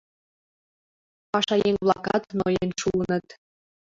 Пашаеҥ-влакат ноен шуыныт.